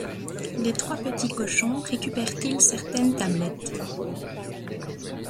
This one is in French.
Les trois petits cochons récupèrent-ils certaines tablettes?